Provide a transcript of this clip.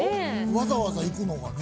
わざわざ行くのがね。